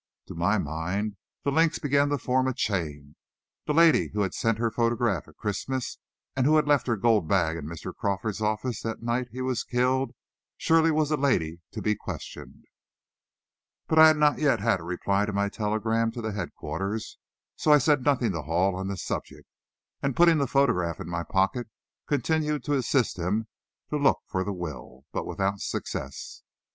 To my mind the links began to form a chain; the lady who had sent her photograph at Christmas, and who had left her gold bag in Mr. Crawford's office the night he was killed, surely was a lady to be questioned. But I had not yet had a reply to my telegram to headquarters, so I said nothing to Hall on this subject, and putting the photograph in my pocket continued to assist him to look for the will, but without success.